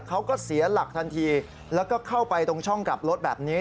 เขาก็เสียหลักทันทีแล้วก็เข้าไปตรงช่องกลับรถแบบนี้